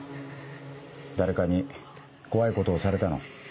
誰かに怖いことをされたの？